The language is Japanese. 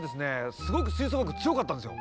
すごく吹奏楽部強かったんですよ。